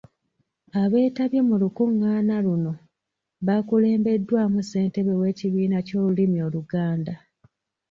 Abeetabye mu lukungaana luno bakulembeddwamu ssentebe w’ekibiina ky’olulimi Oluganda.